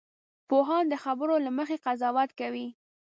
پوهان د خبرو له مخې قضاوت کوي